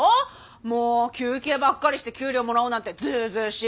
もう休憩ばっかりして給料もらおうなんてずうずうしい。